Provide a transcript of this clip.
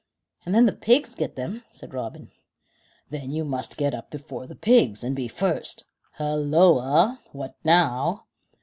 "And then the pigs get them," said Robin. "Then you must get up before the pigs, and be first. Halloa! What now?"